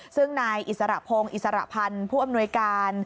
ซึ่งนายอิสระพงศ์อิสระพันธ์ผู้อำนวยการ